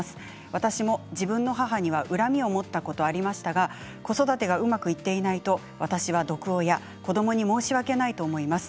私も自分の母には恨みを持ったことありましたが子育てがうまくいっていないと私は毒親子どもに申し訳ないと思います。